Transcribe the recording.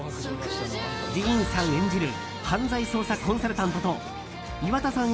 ディーンさん演じる犯罪捜査コンサルタントと岩田さん